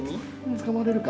つかまれるか？